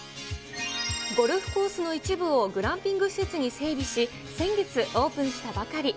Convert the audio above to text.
ゴルフコースの一部をグランピング施設に整備し、先月オープンしたばかり。